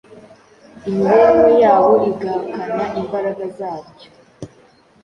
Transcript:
imibereho yabo igahakana imbaraga zaryo,